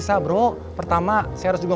sampai ini bu